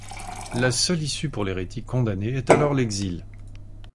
La seule issue pour l'hérétique condamné est alors l'exil.